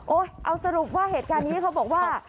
เอาสรุปว่าเหตุการณ์นี้เขาบอกว่า